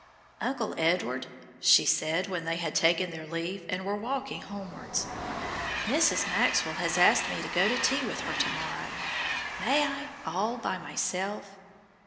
"Uncle Edward," she said, when they had taken their leave and were walking homewards, "Mrs. Maxwell has asked me to go to tea with her to morrow. May I all by myself?"